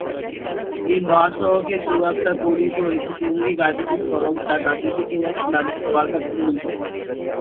এই মহাসড়কে চৌরাস্তায় পরিণত করেছে টঙ্গী-গাজীপুর সড়ক যা গাজীপুর চৌরাস্তা নামে সবার কাছে পরিচিত।